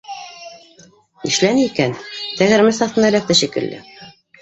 Нишләне икән? Тәгәрмәс аҫтына эләкте шикелле